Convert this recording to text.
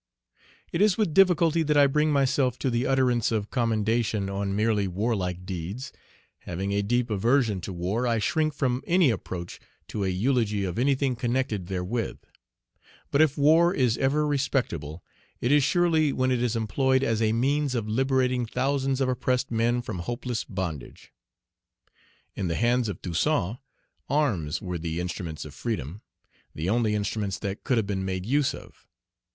It is with difficulty that I bring myself to the utterance of commendation on merely warlike deeds. Having a deep aversion to war, I shrink from any approach to a eulogy of anything connected therewith. But if war is ever respectable, it is surely when it is employed as a means of liberating thousands of oppressed men from hopeless bondage. In the hands of Toussaint, arms were the instruments of freedom, the only instruments that could have been made use of.